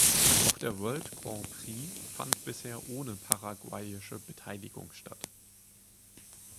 Auch der World Grand Prix fand bisher ohne paraguayische Beteiligung statt.